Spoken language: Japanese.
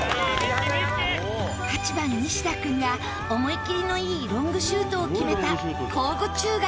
８番西田君が思いきりのいいロングシュートを決めた庚午中学